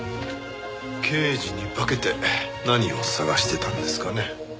刑事に化けて何を探してたんですかね？